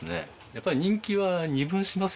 やっぱり人気は二分しますよね。